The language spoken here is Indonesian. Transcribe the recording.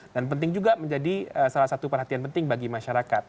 dan penting juga menjadi salah satu perhatian penting bagi masyarakat